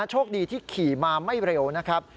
โชคดีที่ขี่มาไม่เร็วนะครับ